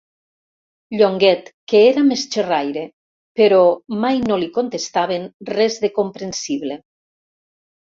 Llonguet, que era més xerraire, però mai no li contestaven res de comprensible.